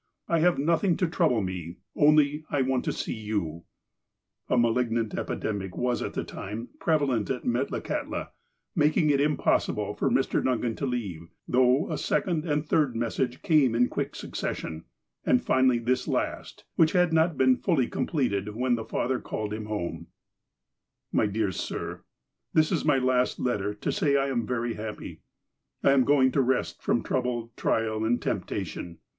I have nothing to trouble me,' only want to see you. > 'v i A malignant epidemic was, at the time, prevalent at Metlakahtla, making it impossible for Mr. Duncan to leave, though a second and third message came in quick succession, and finally this last, which had not been fully completed when the Father called him home :" My Dear Sir :„.•/'^^'\'^""^'^^*'^"^'' to say I am very happy. I am S to n.eet'''"r"."'^^; '''''' and%emptatioi